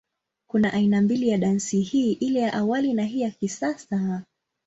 Kuna aina mbili ya dansi hii, ile ya awali na ya hii ya kisasa.